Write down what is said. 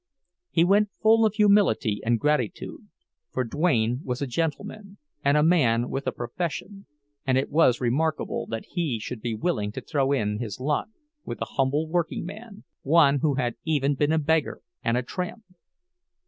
He went full of humility and gratitude; for Duane was a gentleman, and a man with a profession—and it was remarkable that he should be willing to throw in his lot with a humble workingman, one who had even been a beggar and a tramp.